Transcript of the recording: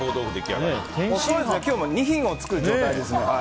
今日、２品作る状態ですね。